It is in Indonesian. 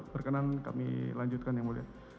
berkenan kami lanjutkan yang mulia